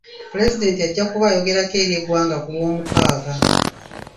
Pulezidenti ajja kuba ayogerako eri eggwanga ku lw'omukaaga.